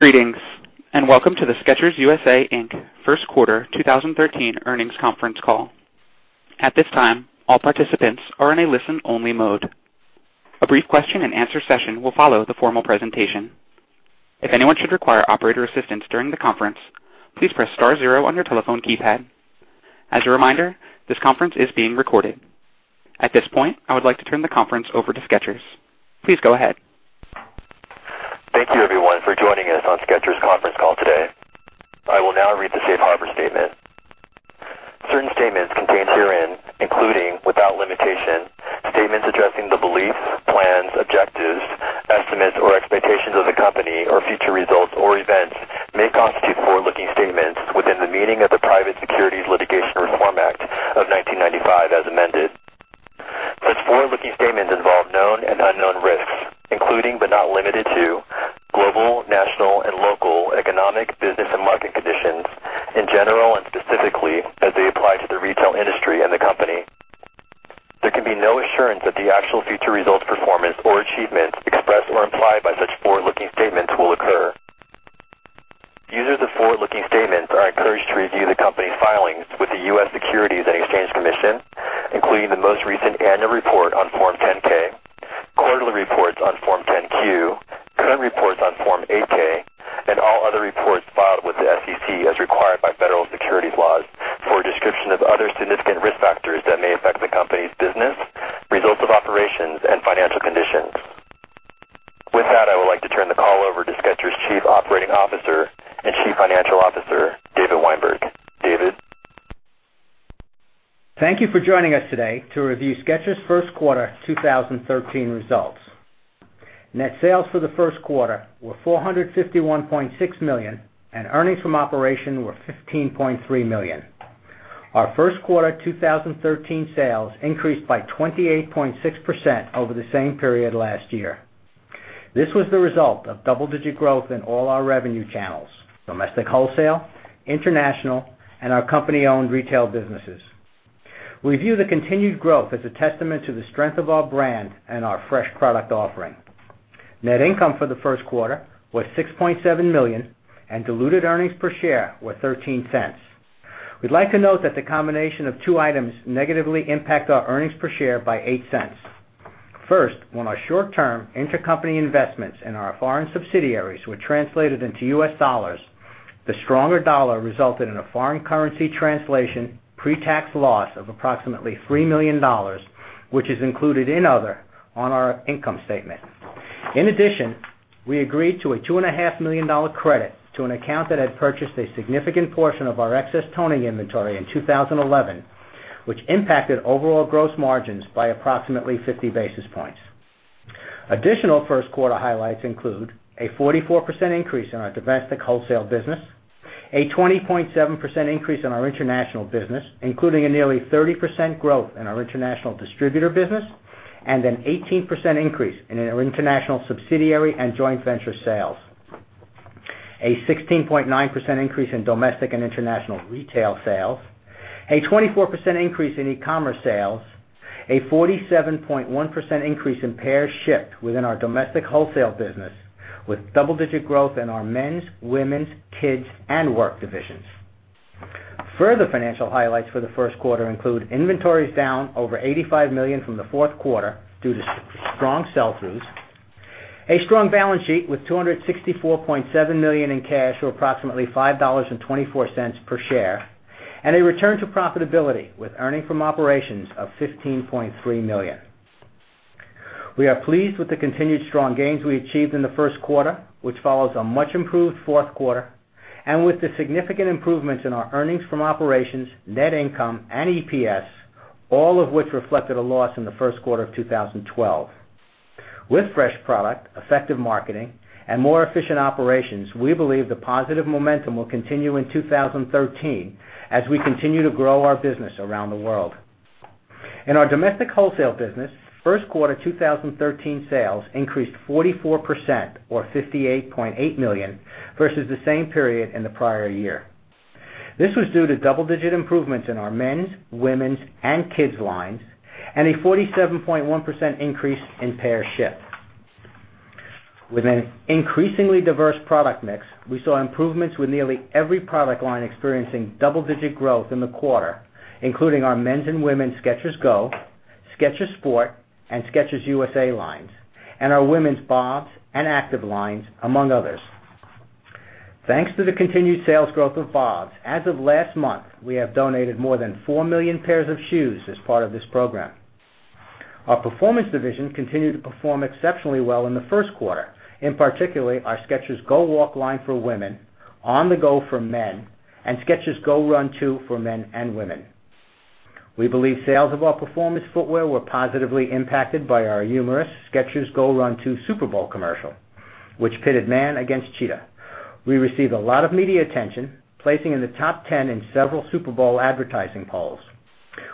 Greetings, and welcome to the Skechers U.S.A., Inc. first quarter 2013 earnings conference call. At this time, all participants are in a listen-only mode. A brief question and answer session will follow the formal presentation. If anyone should require operator assistance during the conference, please press star zero on your telephone keypad. As a reminder, this conference is being recorded. At this point, I would like to turn the conference over to Skechers. Please go ahead. Thank you everyone for joining us on Skechers conference call today. I will now read the safe harbor statement. Certain statements contained herein, including, without limitation, statements addressing the beliefs, plans, objectives, estimates, or expectations of the company or future results or events may constitute forward-looking statements within the meaning of the Private Securities Litigation Reform Act of 1995 as amended. Such forward-looking statements involve known and unknown risks, including but not limited to global, national, and local economic business and market conditions in general and specifically as they apply to the retail industry and the company. There can be no assurance that the actual future results, performance, or achievements expressed or implied by such forward-looking statements will occur. Users of forward-looking statements are encouraged to review the company's filings with the U.S. Securities and Exchange Commission, including the most recent annual report on Form 10-K, quarterly reports on Form 10-Q, current reports on Form 8-K, and all other reports filed with the SEC as required by federal securities laws for a description of other significant risk factors that may affect the company's business, results of operations, and financial conditions. I would like to turn the call over to Skechers' Chief Operating Officer and Chief Financial Officer, David Weinberg. David? Thank you for joining us today to review Skechers' first quarter 2013 results. Net sales for the first quarter were $451.6 million, and earnings from operation were $15.3 million. Our first quarter 2013 sales increased by 28.6% over the same period last year. This was the result of double-digit growth in all our revenue channels, domestic wholesale, international, and our company-owned retail businesses. We view the continued growth as a testament to the strength of our brand and our fresh product offering. Net income for the first quarter was $6.7 million, and diluted earnings per share were $0.13. We'd like to note that the combination of two items negatively impact our earnings per share by $0.08. First, when our short-term intercompany investments in our foreign subsidiaries were translated into U.S. dollars, the stronger dollar resulted in a foreign currency translation pre-tax loss of approximately $3 million, which is included in other on our income statement. In addition, we agreed to a $2.5 million credit to an account that had purchased a significant portion of our excess toning inventory in 2011, which impacted overall gross margins by approximately 50 basis points. Additional first-quarter highlights include a 44% increase in our domestic wholesale business. A 20.7% increase in our international business, including a nearly 30% growth in our international distributor business, and an 18% increase in our international subsidiary and joint venture sales. A 16.9% increase in domestic and international retail sales. A 24% increase in e-commerce sales. A 47.1% increase in pairs shipped within our domestic wholesale business, with double-digit growth in our men's, women's, kids, and work divisions. Further financial highlights for the first quarter include inventories down over $85 million from the fourth quarter due to strong sell-throughs. A strong balance sheet with $264.7 million in cash or approximately $5.24 per share. A return to profitability with earnings from operations of $15.3 million. We are pleased with the continued strong gains we achieved in the first quarter, which follows a much improved fourth quarter. With the significant improvements in our earnings from operations, net income, and EPS, all of which reflected a loss in the first quarter of 2012. With fresh product, effective marketing, and more efficient operations, we believe the positive momentum will continue in 2013 as we continue to grow our business around the world. In our domestic wholesale business, first quarter 2013 sales increased 44% or $58.8 million versus the same period in the prior year. This was due to double-digit improvements in our men's, women's, and kids lines and a 47.1% increase in pairs shipped. With an increasingly diverse product mix, we saw improvements with nearly every product line experiencing double-digit growth in the quarter, including our men's and women's Skechers GO WALK, Skechers Sport, and Skechers USA lines, and our women's BOBS and Skechers Active lines, among others. Thanks to the continued sales growth of BOBS, as of last month, we have donated more than 4 million pairs of shoes as part of this program. Our performance division continued to perform exceptionally well in the first quarter. In particular, our Skechers GO WALK line for women, Skechers On-the-GO for men, and Skechers GOrun 2 for men and women. We believe sales of our performance footwear were positively impacted by our humorous Skechers GOrun 2 Super Bowl commercial, which pitted man against cheetah. We received a lot of media attention, placing in the top 10 in several Super Bowl advertising polls.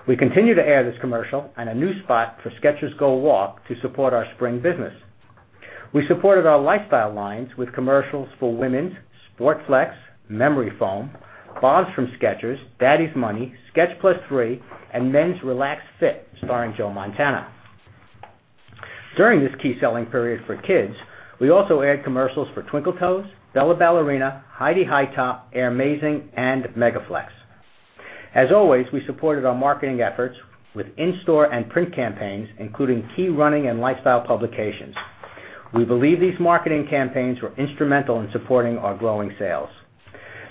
We continue to air this commercial and a new spot for Skechers GO WALK to support our spring business. We supported our lifestyle lines with commercials for women's Sport Flex Memory Foam, BOBS from Skechers, Daddy's Money, Skech+3, and men's Relaxed Fit starring Joe Montana. During this key selling period for kids, we also aired commercials for Twinkle Toes, Bella Ballerina, Hydee Hytop, Air-Mazing, and Mega-Flex. As always, we supported our marketing efforts with in-store and print campaigns, including key running and lifestyle publications. We believe these marketing campaigns were instrumental in supporting our growing sales.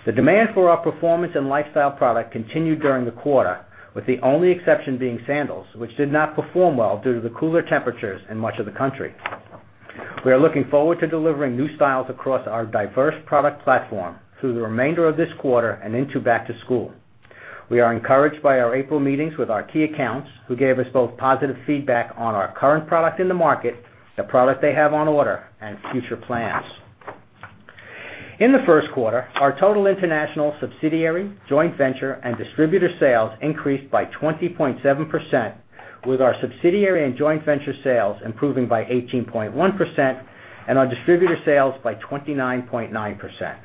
The demand for our performance and lifestyle product continued during the quarter, with the only exception being sandals, which did not perform well due to the cooler temperatures in much of the country. We are looking forward to delivering new styles across our diverse product platform through the remainder of this quarter and into back to school. We are encouraged by our April meetings with our key accounts, who gave us both positive feedback on our current product in the market, the product they have on order, and future plans. In the first quarter, our total international subsidiary, joint venture, and distributor sales increased by 20.7%, with our subsidiary and joint venture sales improving by 18.1%, and our distributor sales by 29.9%.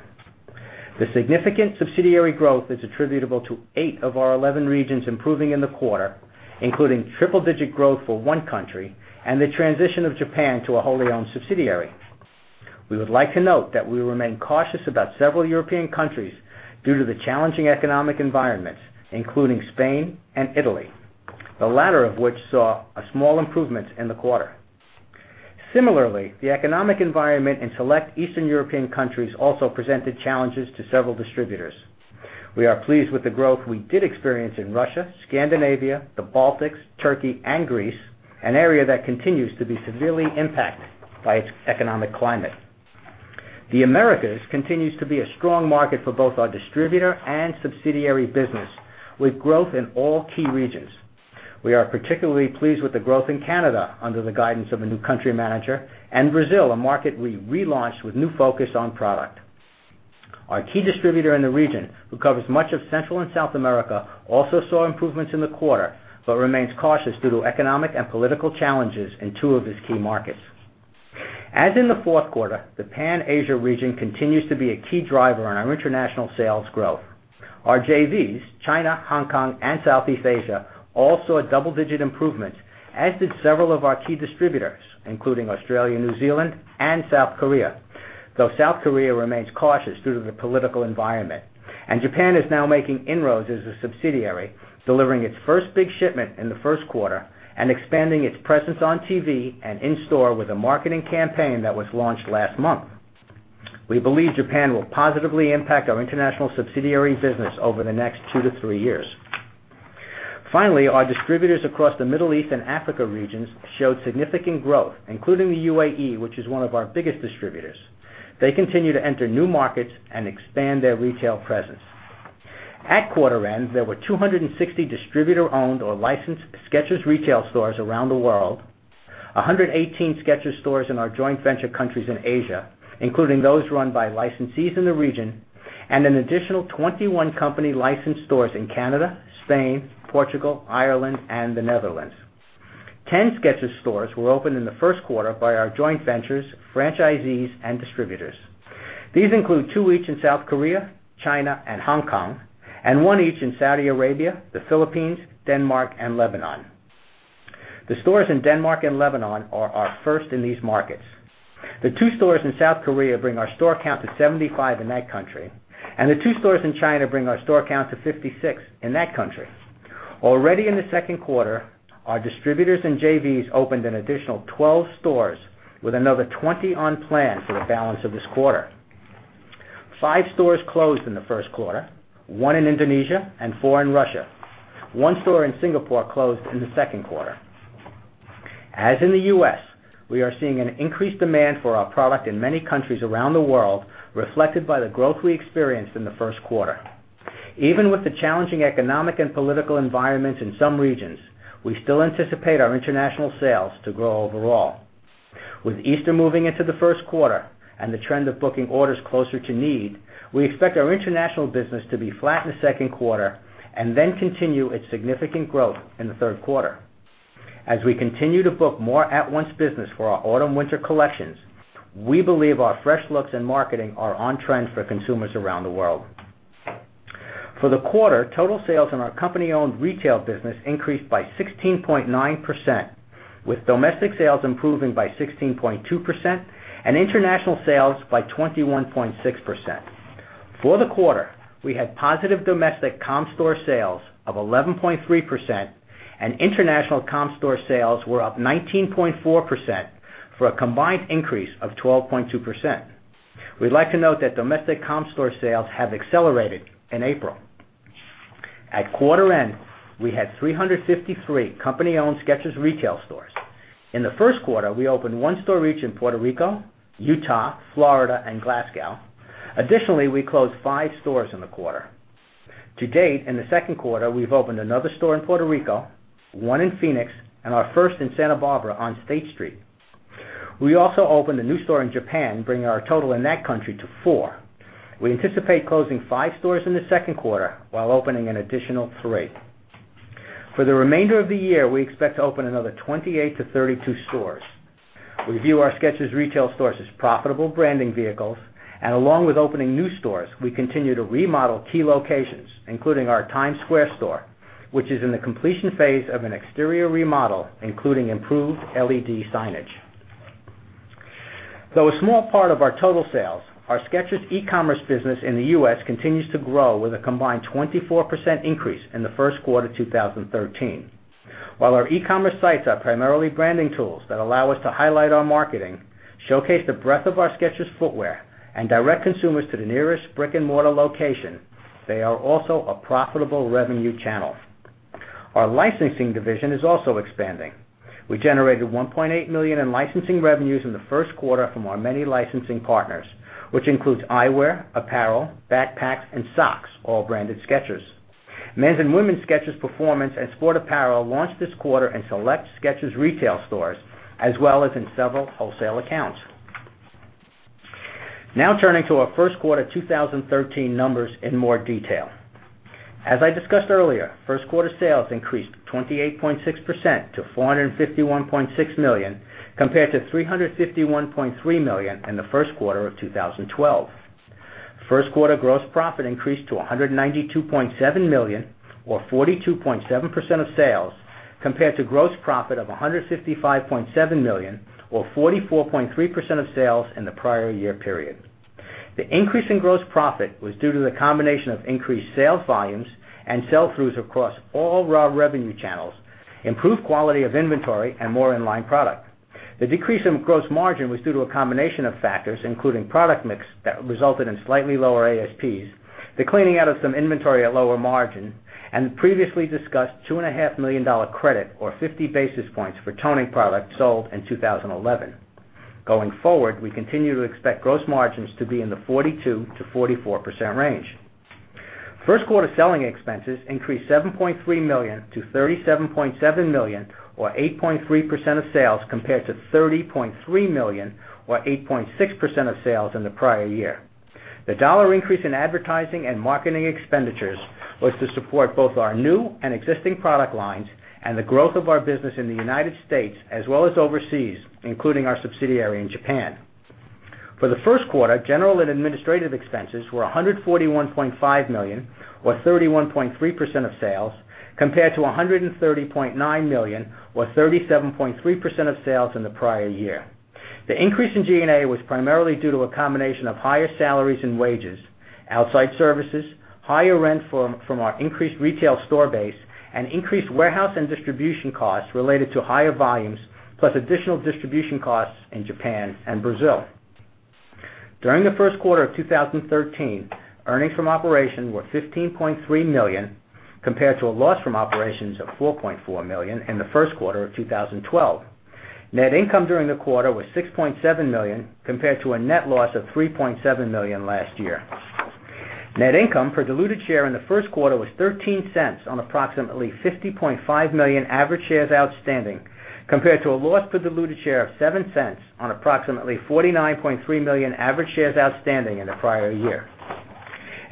The significant subsidiary growth is attributable to eight of our 11 regions improving in the quarter, including triple-digit growth for one country and the transition of Japan to a wholly owned subsidiary. We would like to note that we remain cautious about several European countries due to the challenging economic environments, including Spain and Italy, the latter of which saw a small improvement in the quarter. Similarly, the economic environment in select Eastern European countries also presented challenges to several distributors. We are pleased with the growth we did experience in Russia, Scandinavia, the Baltics, Turkey, and Greece, an area that continues to be severely impacted by its economic climate. The Americas continues to be a strong market for both our distributor and subsidiary business, with growth in all key regions. We are particularly pleased with the growth in Canada under the guidance of a new country manager, and Brazil, a market we relaunched with new focus on product. Our key distributor in the region, who covers much of Central and South America, also saw improvements in the quarter, but remains cautious due to economic and political challenges in two of his key markets. As in the fourth quarter, the Pan Asia region continues to be a key driver in our international sales growth. Our JVs, China, Hong Kong, and Southeast Asia all saw double-digit improvements, as did several of our key distributors, including Australia, New Zealand and South Korea, though South Korea remains cautious due to the political environment. Japan is now making inroads as a subsidiary, delivering its first big shipment in the first quarter and expanding its presence on TV and in-store with a marketing campaign that was launched last month. We believe Japan will positively impact our international subsidiary business over the next two to three years. Finally, our distributors across the Middle East and Africa regions showed significant growth, including the UAE, which is one of our biggest distributors. They continue to enter new markets and expand their retail presence. At quarter end, there were 260 distributor-owned or licensed Skechers retail stores around the world, 118 Skechers stores in our joint venture countries in Asia, including those run by licensees in the region, and an additional 21 company license stores in Canada, Spain, Portugal, Ireland, and the Netherlands. 10 Skechers stores were opened in the first quarter by our joint ventures, franchisees, and distributors. These include two each in South Korea, China, and Hong Kong, and one each in Saudi Arabia, the Philippines, Denmark, and Lebanon. The stores in Denmark and Lebanon are our first in these markets. The 2 stores in South Korea bring our store count to 75 in that country, and the 2 stores in China bring our store count to 56 in that country. Already in the second quarter, our distributors and JVs opened an additional 12 stores with another 20 on plan for the balance of this quarter. 5 stores closed in the first quarter, 1 in Indonesia and 4 in Russia. 1 store in Singapore closed in the second quarter. As in the U.S., we are seeing an increased demand for our product in many countries around the world, reflected by the growth we experienced in the first quarter. Even with the challenging economic and political environments in some regions, we still anticipate our international sales to grow overall. With Easter moving into the first quarter and the trend of booking orders closer to need, we expect our international business to be flat in the second quarter and then continue its significant growth in the third quarter. As we continue to book more at-once business for our autumn/winter collections, we believe our fresh looks and marketing are on trend for consumers around the world. For the quarter, total sales in our company-owned retail business increased by 16.9%, with domestic sales improving by 16.2% and international sales by 21.6%. For the quarter, we had positive domestic comp store sales of 11.3%, and international comp store sales were up 19.4%, for a combined increase of 12.2%. We'd like to note that domestic comp store sales have accelerated in April. At quarter end, we had 353 company-owned Skechers retail stores. In the first quarter, we opened 1 store each in Puerto Rico, Utah, Florida, and Glasgow. Additionally, we closed 5 stores in the quarter. To date, in the second quarter, we've opened another store in Puerto Rico, 1 in Phoenix, and our first in Santa Barbara on State Street. We also opened a new store in Japan, bringing our total in that country to 4. We anticipate closing 5 stores in the second quarter while opening an additional 3. For the remainder of the year, we expect to open another 28 to 32 stores. We view our Skechers retail stores as profitable branding vehicles, and along with opening new stores, we continue to remodel key locations, including our Times Square store, which is in the completion phase of an exterior remodel, including improved LED signage. Though a small part of our total sales, our Skechers e-commerce business in the U.S. continues to grow with a combined 24% increase in the first quarter 2013. While our e-commerce sites are primarily branding tools that allow us to highlight our marketing, showcase the breadth of our Skechers footwear, and direct consumers to the nearest brick-and-mortar location, they are also a profitable revenue channel. Our licensing division is also expanding. We generated $1.8 million in licensing revenues in the first quarter from our many licensing partners, which includes eyewear, apparel, backpacks, and socks, all branded Skechers. Men's and women's Skechers performance and sport apparel launched this quarter in select Skechers retail stores, as well as in several wholesale accounts. Turning to our first quarter 2013 numbers in more detail. As I discussed earlier, first quarter sales increased 28.6% to $451.6 million, compared to $351.3 million in the first quarter of 2012. First quarter gross profit increased to $192.7 million, or 42.7% of sales, compared to gross profit of $155.7 million, or 44.3% of sales in the prior year period. The increase in gross profit was due to the combination of increased sales volumes and sell-throughs across all our revenue channels, improved quality of inventory, and more in-line product. The decrease in gross margin was due to a combination of factors, including product mix that resulted in slightly lower ASPs, the cleaning out of some inventory at lower margin, and the previously discussed $2.5 million credit, or 50 basis points, for toning products sold in 2011. Going forward, we continue to expect gross margins to be in the 42%-44% range. First quarter selling expenses increased $7.3 million to $37.7 million, or 8.3% of sales, compared to $30.3 million, or 8.6% of sales, in the prior year. The dollar increase in advertising and marketing expenditures was to support both our new and existing product lines and the growth of our business in the U.S. as well as overseas, including our subsidiary in Japan. For the first quarter, general and administrative expenses were $141.5 million, or 31.3% of sales, compared to $130.9 million, or 37.3% of sales, in the prior year. The increase in G&A was primarily due to a combination of higher salaries and wages, outside services, higher rent from our increased retail store base, and increased warehouse and distribution costs related to higher volumes, plus additional distribution costs in Japan and Brazil. During the first quarter of 2013, earnings from operations were $15.3 million, compared to a loss from operations of $4.4 million in the first quarter of 2012. Net income during the quarter was $6.7 million, compared to a net loss of $3.7 million last year. Net income per diluted share in the first quarter was $0.13 on approximately 50.5 million average shares outstanding, compared to a loss per diluted share of $0.07 on approximately 49.3 million average shares outstanding in the prior year.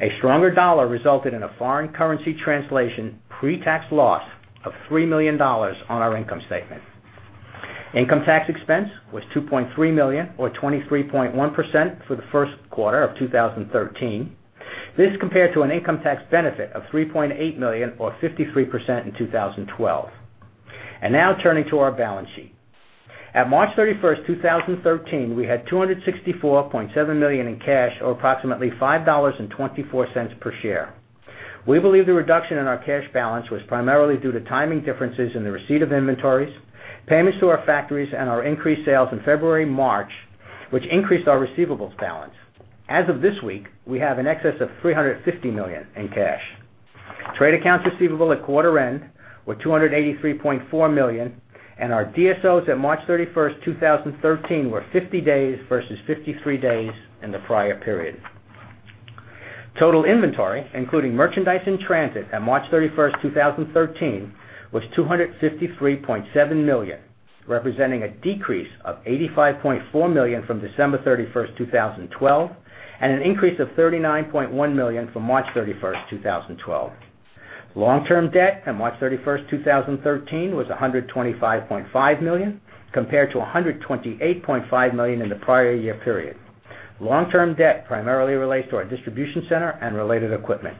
A stronger dollar resulted in a foreign currency translation pre-tax loss of $3 million on our income statement. Income tax expense was $2.3 million, or 23.1%, for the first quarter of 2013. This compared to an income tax benefit of $3.8 million, or 53%, in 2012. Now turning to our balance sheet. At March 31st, 2013, we had $264.7 million in cash, or approximately $5.24 per share. We believe the reduction in our cash balance was primarily due to timing differences in the receipt of inventories, payments to our factories, and our increased sales in February and March, which increased our receivables balance. As of this week, we have in excess of $350 million in cash. Trade accounts receivable at quarter end were $283.4 million, and our DSOs at March 31st, 2013, were 50 days versus 53 days in the prior period. Total inventory, including merchandise in transit at March 31st, 2013, was $253.7 million, representing a decrease of $85.4 million from December 31st, 2012, and an increase of $39.1 million from March 31st, 2012. Long-term debt at March 31st, 2013, was $125.5 million, compared to $128.5 million in the prior year period. Long-term debt primarily relates to our distribution center and related equipment.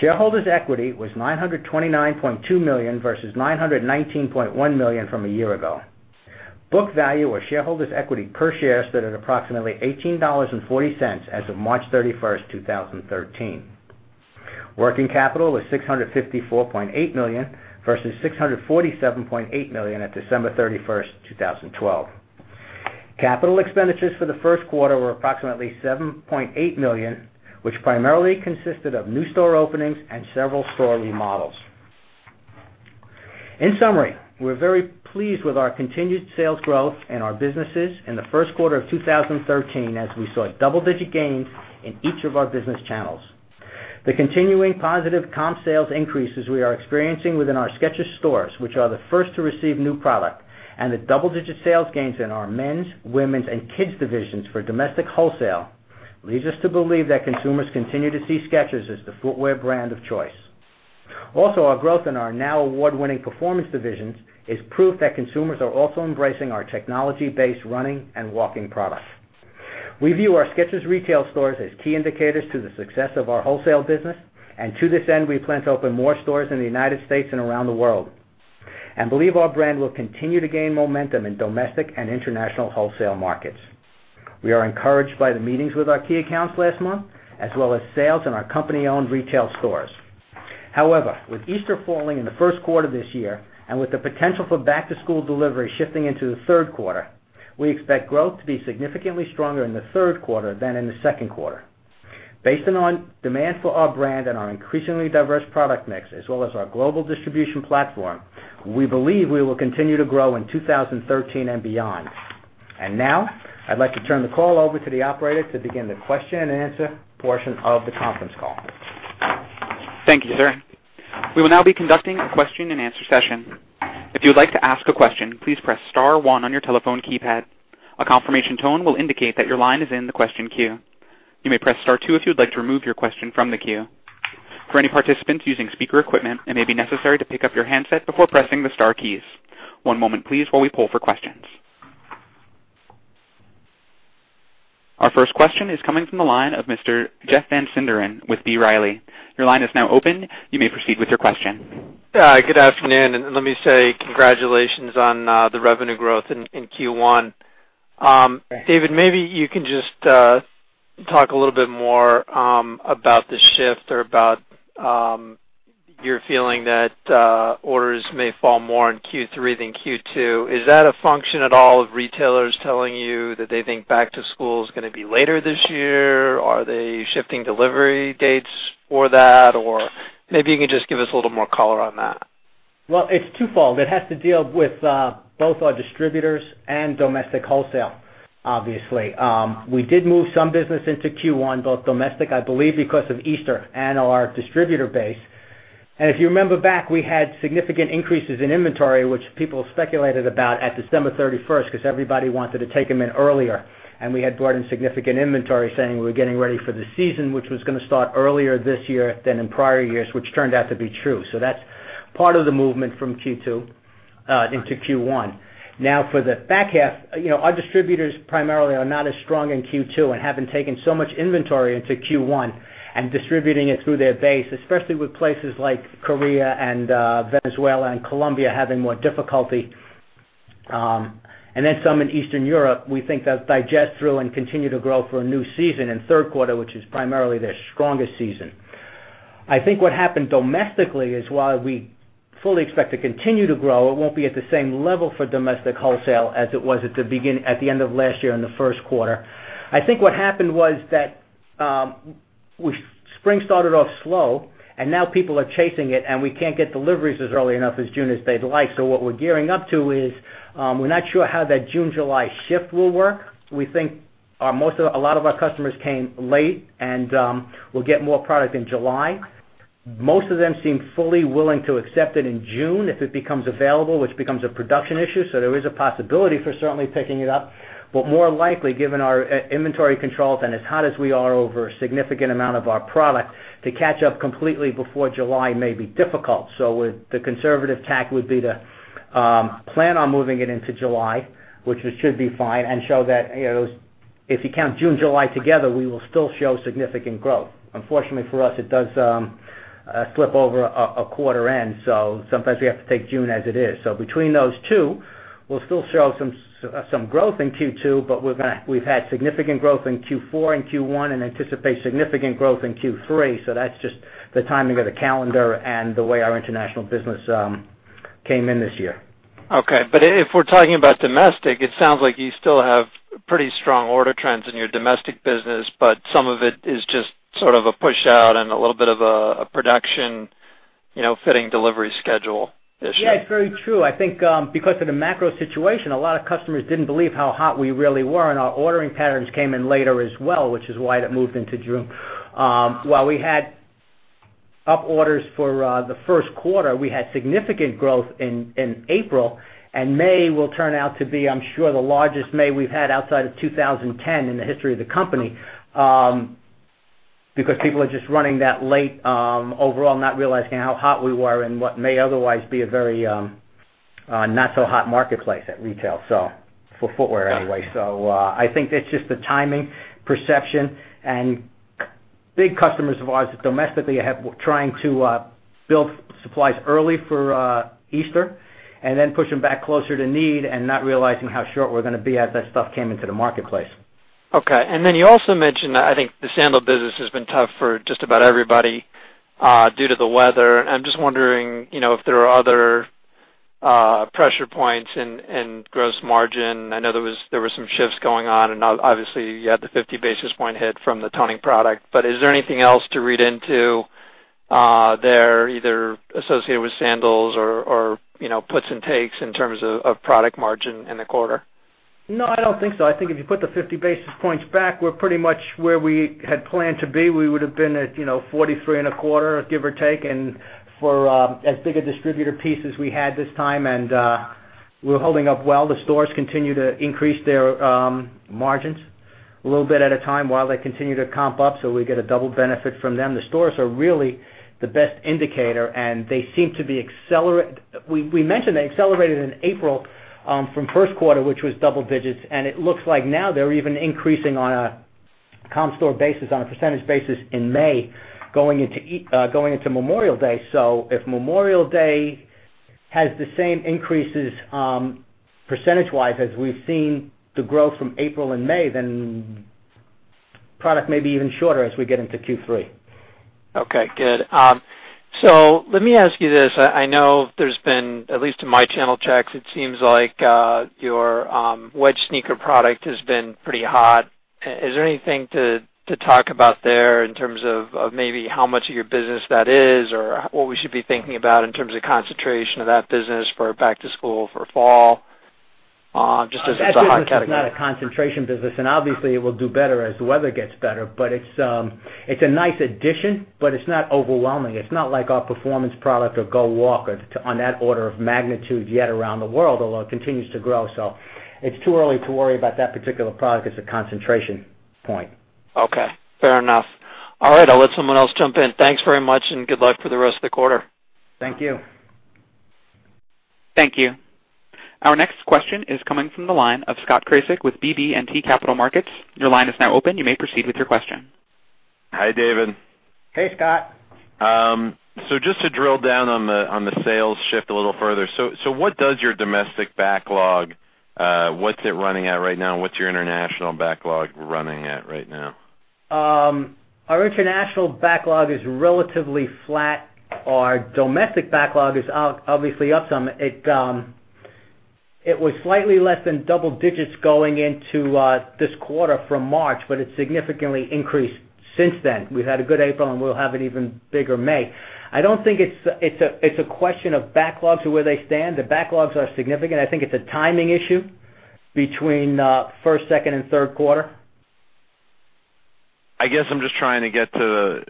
Shareholders' equity was $929.2 million, versus $919.1 million from a year ago. Book value or shareholders' equity per share stood at approximately $18.40 as of March 31st, 2013. Working capital was $654.8 million versus $647.8 million at December 31st, 2012. Capital expenditures for the first quarter were approximately $7.8 million, which primarily consisted of new store openings and several store remodels. In summary, we're very pleased with our continued sales growth in our businesses in the first quarter of 2013, as we saw double-digit gains in each of our business channels. The continuing positive comp sales increases we are experiencing within our Skechers stores, which are the first to receive new product, and the double-digit sales gains in our men's, women's, and kids divisions for domestic wholesale, leads us to believe that consumers continue to see Skechers as the footwear brand of choice. Our growth in our now award-winning performance divisions is proof that consumers are also embracing our technology-based running and walking products. We view our Skechers retail stores as key indicators to the success of our wholesale business, and to this end, we plan to open more stores in the U.S. and around the world, and believe our brand will continue to gain momentum in domestic and international wholesale markets. We are encouraged by the meetings with our key accounts last month, as well as sales in our company-owned retail stores. With Easter falling in the first quarter this year, and with the potential for back-to-school delivery shifting into the third quarter, we expect growth to be significantly stronger in the third quarter than in the second quarter. Based on demand for our brand and our increasingly diverse product mix, as well as our global distribution platform, we believe we will continue to grow in 2013 and beyond. Now, I'd like to turn the call over to the operator to begin the question-and-answer portion of the conference call. Thank you, sir. We will now be conducting a question-and-answer session. If you would like to ask a question, please press star 1 on your telephone keypad. A confirmation tone will indicate that your line is in the question queue. You may press star 2 if you'd like to remove your question from the queue. For any participants using speaker equipment, it may be necessary to pick up your handset before pressing the star keys. One moment please, while we pull for questions. Our first question is coming from the line of Mr. Jeff Van Sinderen with B. Riley. Your line is now open. You may proceed with your question. Hi, good afternoon. Let me say congratulations on the revenue growth in Q1. Thanks. David, maybe you can just talk a little bit more about the shift or about your feeling that orders may fall more in Q3 than Q2. Is that a function at all of retailers telling you that they think back to school is going to be later this year? Are they shifting delivery dates for that? Maybe you could just give us a little more color on that. Well, it's twofold. It has to deal with both our distributors and domestic wholesale, obviously. We did move some business into Q1, both domestic, I believe because of Easter, and our distributor base. If you remember back, we had significant increases in inventory, which people speculated about at December 31st, because everybody wanted to take them in earlier. We had brought in significant inventory saying we're getting ready for the season, which was going to start earlier this year than in prior years, which turned out to be true. That's part of the movement from Q2 into Q1. Now for the back half, our distributors primarily are not as strong in Q2 and haven't taken so much inventory into Q1 and distributing it through their base, especially with places like Korea and Venezuela and Colombia having more difficulty, and then some in Eastern Europe, we think that digests through and continue to grow for a new season in third quarter, which is primarily their strongest season. I think what happened domestically is while we fully expect to continue to grow, it won't be at the same level for domestic wholesale as it was at the end of last year in the first quarter. I think what happened was that spring started off slow, and now people are chasing it, and we can't get deliveries as early enough as June as they'd like. What we're gearing up to is, we're not sure how that June, July shift will work. We think a lot of our customers came late, and we'll get more product in July. Most of them seem fully willing to accept it in June if it becomes available, which becomes a production issue. There is a possibility for certainly picking it up. More likely, given our inventory controls and as hot as we are over a significant amount of our product, to catch up completely before July may be difficult. The conservative tack would be to plan on moving it into July, which should be fine, and show that if you count June, July together, we will still show significant growth. Unfortunately, for us, it does slip over a quarter end. Sometimes we have to take June as it is. Between those two, we'll still show some growth in Q2. We've had significant growth in Q4 and Q1 and anticipate significant growth in Q3. That's just the timing of the calendar and the way our international business came in this year. Okay. If we're talking about domestic, it sounds like you still have pretty strong order trends in your domestic business. Some of it is just sort of a push out and a little bit of a production fitting delivery schedule issue. Yeah, it's very true. I think because of the macro situation, a lot of customers didn't believe how hot we really were, and our ordering patterns came in later as well, which is why it moved into June. While we had up orders for the first quarter, we had significant growth in April, and May will turn out to be, I'm sure, the largest May we've had outside of 2010 in the history of the company, because people are just running that late overall, not realizing how hot we were in what may otherwise be a very not so hot marketplace at retail, for footwear anyway. I think it's just the timing, perception, and big customers of ours domestically trying to build supplies early for Easter and then push them back closer to need and not realizing how short we're going to be as that stuff came into the marketplace. Okay. You also mentioned, I think the sandal business has been tough for just about everybody due to the weather. I'm just wondering if there are other pressure points in gross margin. I know there were some shifts going on, and obviously, you had the 50 basis point hit from the toning product. Is there anything else to read into there, either associated with sandals or puts and takes in terms of product margin in the quarter? No, I don't think so. I think if you put the 50 basis points back, we're pretty much where we had planned to be. We would've been at 43 and a quarter, give or take, for as big a distributor piece as we had this time. We're holding up well. The stores continue to increase their margins a little bit at a time while they continue to comp up, so we get a double benefit from them. The stores are really the best indicator, and they seem to be accelerating. We mentioned they accelerated in April from first quarter, which was double digits. It looks like now they're even increasing on a comp store basis, on a percentage basis in May, going into Memorial Day. If Memorial Day has the same increases, percentage-wise, as we've seen the growth from April and May, then product may be even shorter as we get into Q3. Okay, good. Let me ask you this. I know there's been, at least in my channel checks, it seems like your wedge sneaker product has been pretty hot. Is there anything to talk about there in terms of maybe how much of your business that is or what we should be thinking about in terms of concentration of that business for back to school for fall? Just as a hot category. That business is not a concentration business, obviously, it will do better as the weather gets better. It's a nice addition, but it's not overwhelming. It's not like our performance product or GO WALK on that order of magnitude yet around the world, although it continues to grow. It's too early to worry about that particular product as a concentration point. Okay, fair enough. All right. I'll let someone else jump in. Thanks very much and good luck for the rest of the quarter. Thank you. Thank you. Our next question is coming from the line of Scott Kresak with BB&T Capital Markets. Your line is now open. You may proceed with your question. Hi, David. Hey, Scott. Just to drill down on the sales shift a little further. What does your domestic backlog, what's it running at right now? What's your international backlog running at right now? Our international backlog is relatively flat. Our domestic backlog is obviously up some. It was slightly less than double digits going into this quarter from March, but it's significantly increased since then. We've had a good April, and we'll have an even bigger May. I don't think it's a question of backlogs or where they stand. The backlogs are significant. I think it's a timing issue between first, second and third quarter. I guess I'm just trying to get to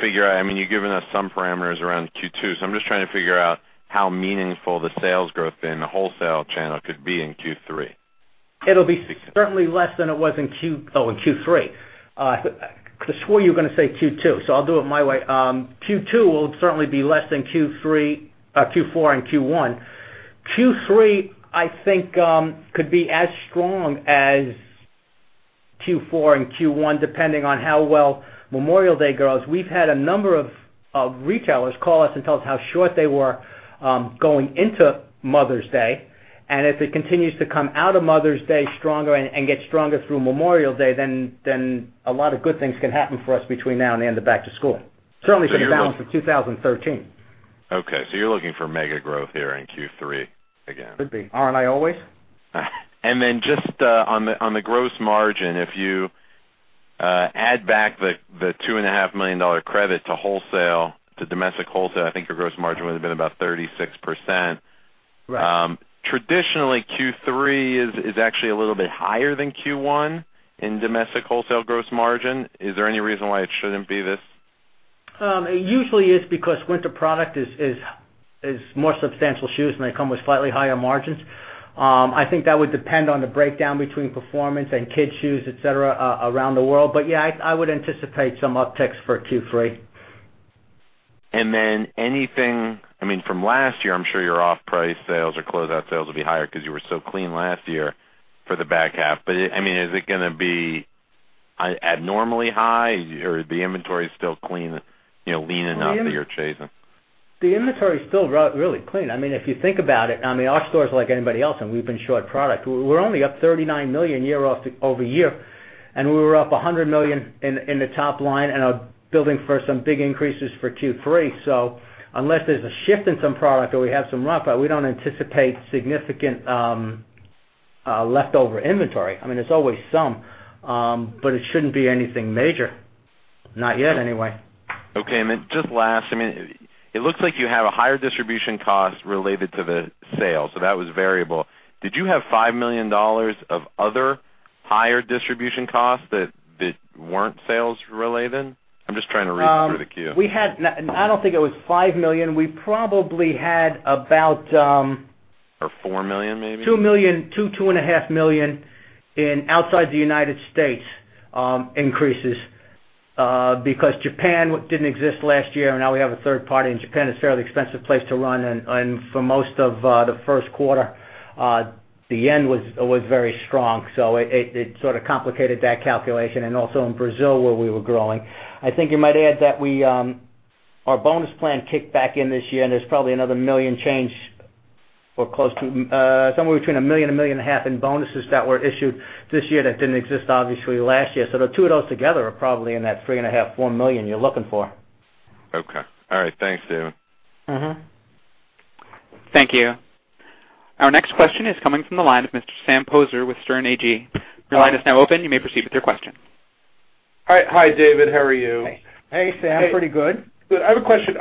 figure out, I mean, you've given us some parameters around Q2. I'm just trying to figure out how meaningful the sales growth in the wholesale channel could be in Q3. It'll be certainly less than it was in Q3. I could swear you were going to say Q2. I'll do it my way. Q2 will certainly be less than Q4 and Q1. Q3, I think, could be as strong as Q4 and Q1, depending on how well Memorial Day grows. We've had a number of retailers call us and tell us how short they were going into Mother's Day, and if it continues to come out of Mother's Day stronger and gets stronger through Memorial Day, a lot of good things can happen for us between now and the end of back to school. Certainly could balance the 2013. Okay. You're looking for mega growth here in Q3 again. Could be. Aren't I always? Just, on the gross margin, if you add back the $2.5 million credit to domestic wholesale, I think your gross margin would have been about 36%. Right. Traditionally, Q3 is actually a little bit higher than Q1 in domestic wholesale gross margin. Is there any reason why it shouldn't be this? It usually is because winter product is more substantial shoes. They come with slightly higher margins. I think that would depend on the breakdown between performance and kids shoes, et cetera, around the world. Yeah, I would anticipate some upticks for Q3. I mean, from last year, I'm sure your off-price sales or closeout sales will be higher because you were so clean last year for the back half. I mean, is it going to be abnormally high or the inventory is still clean, leaning up that you're chasing? The inventory is still really clean. I mean, if you think about it, I mean, our store is like anybody else, and we've been short product. We're only up $39 million year-over-year, and we were up $100 million in the top line and are building for some big increases for Q3. Unless there's a shift in some product or we have some runoff, we don't anticipate significant leftover inventory. I mean, there's always some, but it shouldn't be anything major. Not yet, anyway. Okay. Just last, I mean, it looks like you have a higher distribution cost related to the sale, so that was variable. Did you have $5 million of other higher distribution costs that weren't sales related? I'm just trying to read through the Q. We had I don't think it was $5 million. We probably had about. Maybe $4 million. $2 million, $2 million, $2.5 million in outside the United States increases. Japan didn't exist last year, and now we have a third party, and Japan is a fairly expensive place to run. For most of the first quarter, the yen was always very strong. It sort of complicated that calculation and also in Brazil, where we were growing. I think you might add that our bonus plan kicked back in this year, and there's probably another million change or close to, somewhere between $1 million, $1.5 million in bonuses that were issued this year that didn't exist obviously last year. The two of those together are probably in that $3.5 million-$4 million you're looking for. Okay. All right. Thanks, David. Thank you. Our next question is coming from the line of Mr. Sam Poser with Sterne Agee. Your line is now open. You may proceed with your question. Hi, David. How are you? Hey. Hey, Sam. Pretty good. Good. I have a question.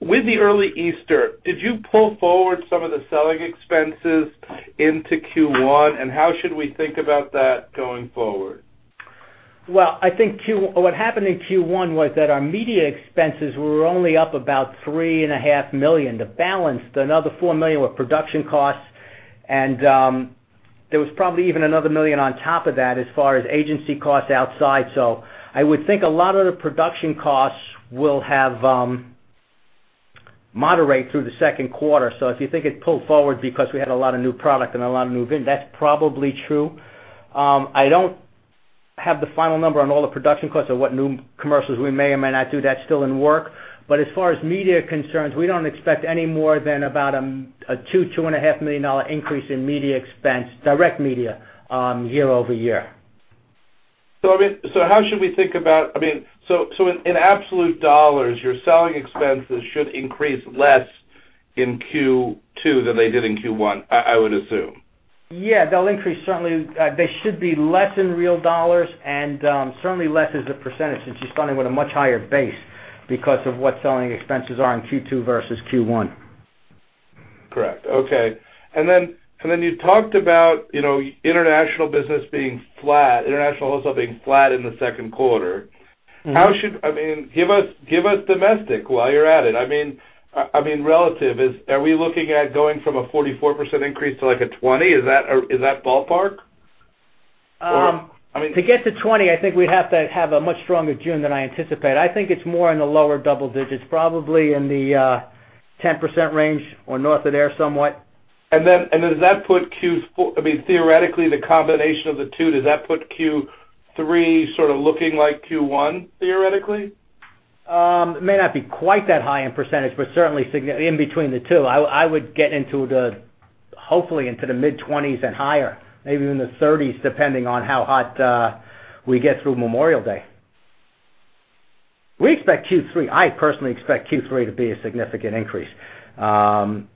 With the early Easter, did you pull forward some of the selling expenses into Q1, how should we think about that going forward? Well, I think what happened in Q1 was that our media expenses were only up about $3.5 million. To balance another $4 million were production costs, and there was probably even another $1 million on top of that as far as agency costs outside. I would think a lot of the production costs will have moderate through the second quarter. If you think it pulled forward because we had a lot of new product and a lot of new business, that's probably true. I don't have the final number on all the production costs of what new commercials we may or may not do. That's still in the work. As far as media is concerned, we don't expect any more than about a $2 million-$2.5 million increase in media expense, direct media, year-over-year. In absolute dollars, your selling expenses should increase less in Q2 than they did in Q1, I would assume. Yeah. They'll increase, certainly. They should be less in real dollars and certainly less as a percentage since you're starting with a much higher base because of what selling expenses are in Q2 versus Q1. Correct. Okay. You talked about international business being flat, international wholesale being flat in the second quarter. Give us domestic while you're at it. Relative, are we looking at going from a 44% increase to like a 20%? Is that ballpark? To get to 20, I think we'd have to have a much stronger June than I anticipate. I think it's more in the lower double digits, probably in the 10% range or north of there somewhat. Theoretically, the combination of the two, does that put Q3 sort of looking like Q1, theoretically? It may not be quite that high in percentage, certainly in between the two. I would get into the, hopefully, into the mid-20s and higher, maybe even the 30s, depending on how hot we get through Memorial Day. We expect Q3. I personally expect Q3 to be a significant increase. The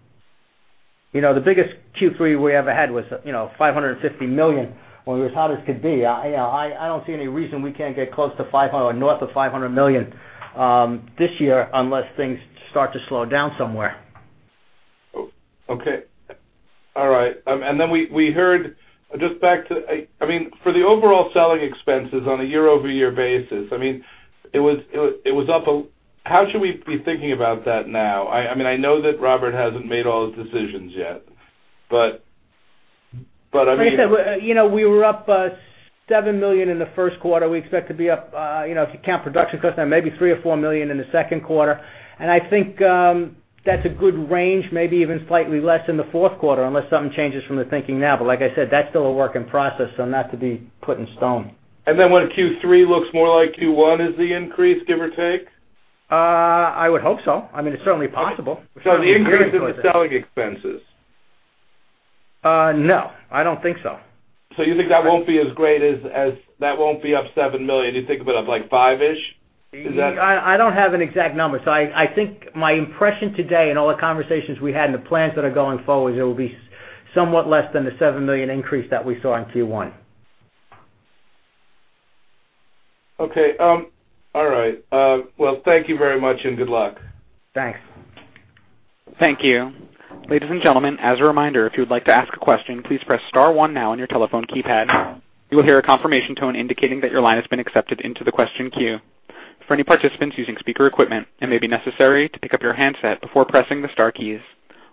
biggest Q3 we ever had was $550 million when it was hot as could be. I don't see any reason we can't get close to $500 or north of $500 million this year unless things start to slow down somewhere. Okay. All right. We heard, for the overall selling expenses on a year-over-year basis, how should we be thinking about that now? I know that Robert hasn't made all his decisions yet. Like I said, we were up $7 million in the first quarter. We expect to be up, if you count production costs now, maybe $3 million or $4 million in the second quarter. I think that's a good range, maybe even slightly less in the fourth quarter, unless something changes from the thinking now. Like I said, that's still a work in process, not to be put in stone. When Q3 looks more like Q1 is the increase, give or take? I would hope so. It's certainly possible. The increase in the selling expenses? No, I don't think so. You think that won't be up $7 million. You think of it up like five-ish? Is that? I don't have an exact number. I think my impression today in all the conversations we had and the plans that are going forward, it will be somewhat less than the $7 million increase that we saw in Q1. Okay. All right. Thank you very much, and good luck. Thanks. Thank you. Ladies and gentlemen, as a reminder, if you would like to ask a question, please press star one now on your telephone keypad. You will hear a confirmation tone indicating that your line has been accepted into the question queue. For any participants using speaker equipment, it may be necessary to pick up your handset before pressing the star keys.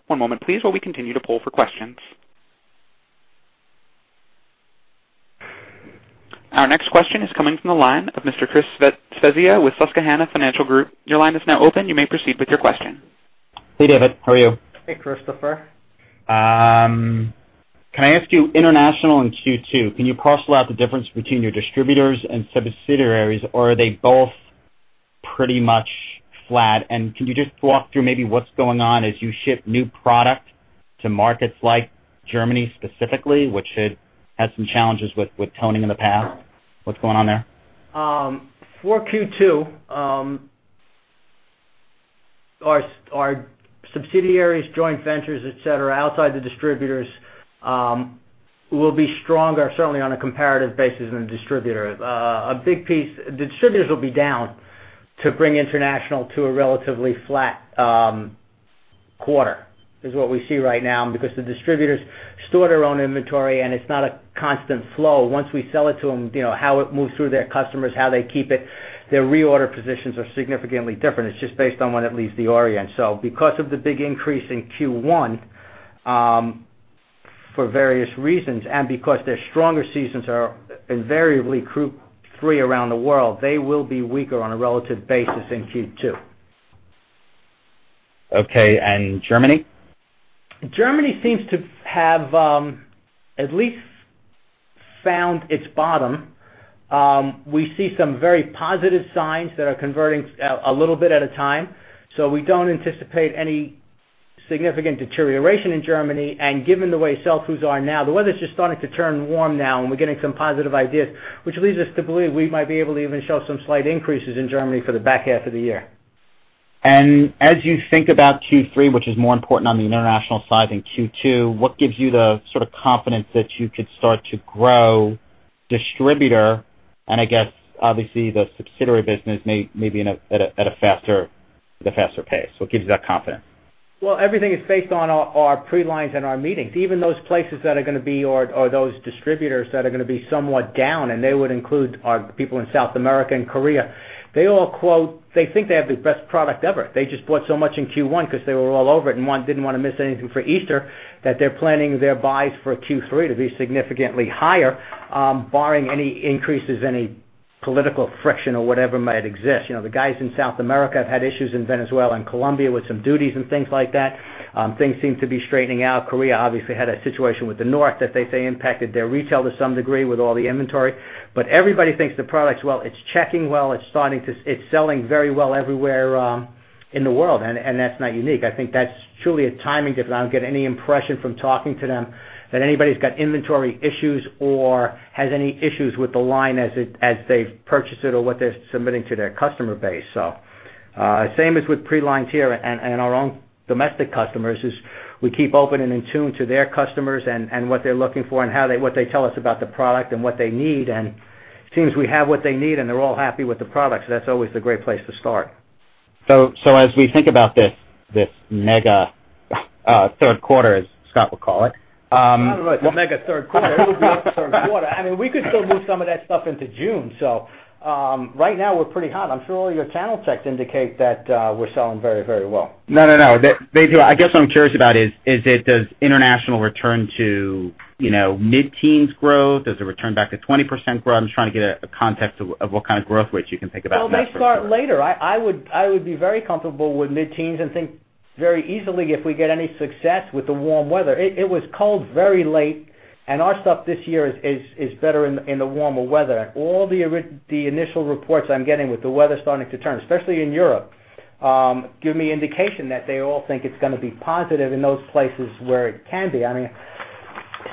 One moment please while we continue to pull for questions. Our next question is coming from the line of Mr. Christopher Svezia with Susquehanna Financial Group. Your line is now open. You may proceed with your question. Hey, David, how are you? Hey, Christopher. Can I ask you, international in Q2, can you parcel out the difference between your distributors and subsidiaries, or are they both pretty much flat? Can you just walk through maybe what's going on as you ship new product to markets like Germany specifically, which had some challenges with toning in the past? What's going on there? For Q2, our subsidiaries, joint ventures, et cetera, outside the distributors, will be stronger, certainly on a comparative basis than the distributor. A big piece, the distributors will be down to bring international to a relatively flat quarter, is what we see right now because the distributors store their own inventory, and it's not a constant flow. Once we sell it to them, how it moves through their customers, how they keep it, their reorder positions are significantly different. It's just based on when it leaves the Orient. Because of the big increase in Q1, for various reasons, and because their stronger seasons are invariably Q3 around the world, they will be weaker on a relative basis in Q2. Okay. Germany? Germany seems to have at least found its bottom. We see some very positive signs that are converting a little bit at a time. We don't anticipate any significant deterioration in Germany. Given the way sell-throughs are now, the weather's just starting to turn warm now and we're getting some positive ideas, which leads us to believe we might be able to even show some slight increases in Germany for the back half of the year. As you think about Q3, which is more important on the international side than Q2, what gives you the sort of confidence that you could start to grow distributor and I guess obviously the subsidiary business maybe at a faster pace. What gives you that confidence? Well, everything is based on our pre-lines and our meetings. Even those places that are going to be, or those distributors that are going to be somewhat down, and they would include our people in South America and Korea. They all think they have the best product ever. They just bought so much in Q1 because they were all over it and didn't want to miss anything for Easter that they're planning their buys for Q3 to be significantly higher, barring any increases, any political friction or whatever might exist. The guys in South America have had issues in Venezuela and Colombia with some duties and things like that. Things seem to be straightening out. Korea obviously had a situation with the North that they say impacted their retail to some degree with all the inventory. Everybody thinks the product's well, it's checking well, it's selling very well everywhere in the world, and that's not unique. I think that's truly a timing difference. I don't get any impression from talking to them that anybody's got inventory issues or has any issues with the line as they've purchased it or what they're submitting to their customer base. Same as with pre-lines here and our own domestic customers, is we keep open and in tune to their customers and what they're looking for and what they tell us about the product and what they need. It seems we have what they need, and they're all happy with the product. That's always a great place to start. As we think about this mega third quarter, as Scott would call it. I don't know. It's a mega third quarter. It would be third quarter. We could still move some of that stuff into June. Right now, we're pretty hot. I'm sure all your channel checks indicate that we're selling very well. No, they do. I guess what I'm curious about is, does international return to mid-teens growth? Does it return back to 20% growth? I'm just trying to get a context of what kind of growth rates you can think about. Well, they start later. I would be very comfortable with mid-teens and think very easily if we get any success with the warm weather. It was cold very late, and our stuff this year is better in the warmer weather. All the initial reports I'm getting with the weather starting to turn, especially in Europe, give me indication that they all think it's going to be positive in those places where it can be.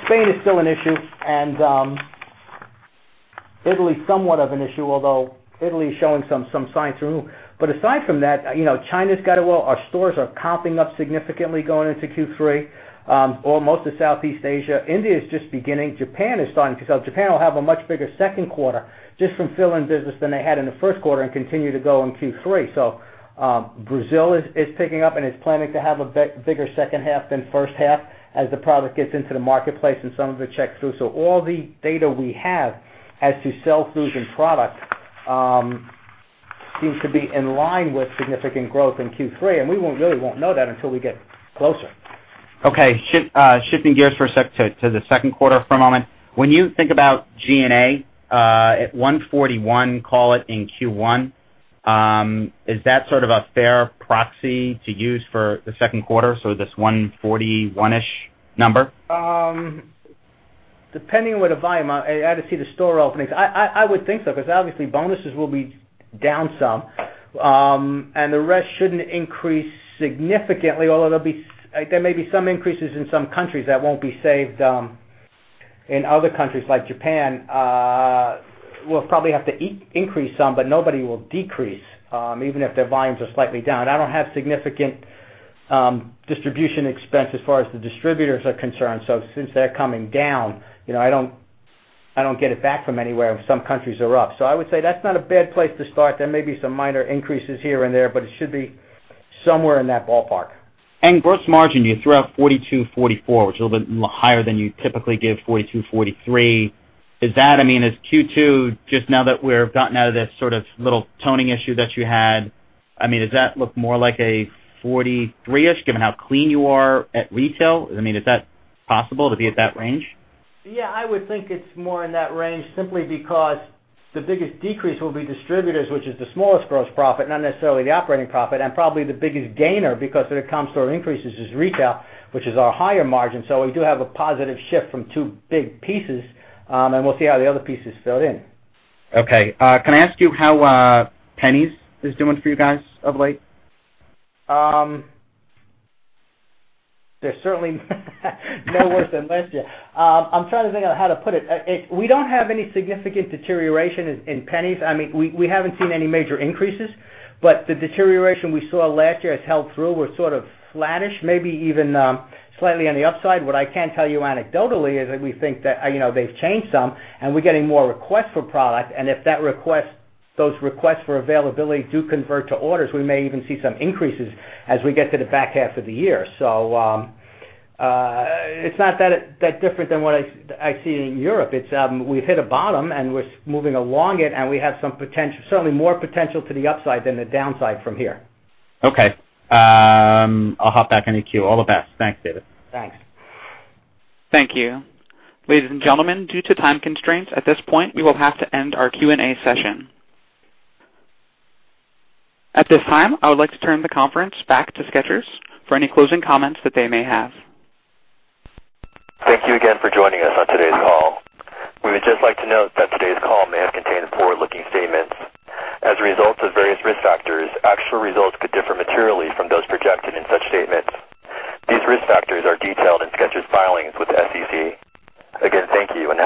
Spain is still an issue, and Italy somewhat of an issue, although Italy is showing some signs too. Aside from that, China's got it well. Our stores are comping up significantly going into Q3. Almost to Southeast Asia. India is just beginning. Japan is starting. Japan will have a much bigger second quarter just from fill-in business than they had in the first quarter and continue to go in Q3. Brazil is picking up, and it's planning to have a bigger second half than first half as the product gets into the marketplace and some of it checks through. All the data we have as to sell-throughs and product seems to be in line with significant growth in Q3, and we really won't know that until we get closer. Okay. Shifting gears for a sec to the second quarter for a moment. When you think about G&A at $141, call it, in Q1, is that sort of a fair proxy to use for the second quarter, so this $141-ish number? Depending on what the volume are, I had to see the store openings. I would think so, because obviously, bonuses will be down some, and the rest shouldn't increase significantly, although there may be some increases in some countries that won't be saved in other countries like Japan. We'll probably have to increase some, but nobody will decrease, even if their volumes are slightly down. I don't have significant distribution expense as far as the distributors are concerned. Since they're coming down, I don't get it back from anywhere if some countries are up. I would say that's not a bad place to start. There may be some minor increases here and there, but it should be somewhere in that ballpark. Gross margin, you threw out 42.44%, which is a little bit higher than you typically give, 42.43%. Is Q2 just now that we've gotten out of this sort of little toning issue that you had, does that look more like a 43%-ish, given how clean you are at retail? Is that possible to be at that range? I would think it's more in that range simply because the biggest decrease will be distributors, which is the smallest gross profit, not necessarily the operating profit, and probably the biggest gainer because when it comes to our increases is retail, which is our higher margin. We do have a positive shift from two big pieces, and we'll see how the other pieces fill in. Can I ask you how Penneys is doing for you guys of late? They're certainly no worse than last year. I'm trying to think of how to put it. We don't have any significant deterioration in Penneys. We haven't seen any major increases, but the deterioration we saw last year has held through. We're sort of flattish, maybe even slightly on the upside. What I can tell you anecdotally is that we think that they've changed some, and we're getting more requests for product, and if those requests for availability do convert to orders, we may even see some increases as we get to the back half of the year. It's not that different than what I see in Europe. We've hit a bottom, and we're moving along it, and we have certainly more potential to the upside than the downside from here. Okay. I'll hop back on the queue. All the best. Thanks, David. Thanks. Thank you. Ladies and gentlemen, due to time constraints, at this point, we will have to end our Q&A session. At this time, I would like to turn the conference back to Skechers for any closing comments that they may have. Thank you again for joining us on today's call. We would just like to note that today's call may have contained forward-looking statements. As a result of various risk factors, actual results could differ materially from those projected in such statements. These risk factors are detailed in Skechers' filings with the SEC. Again, thank you, and have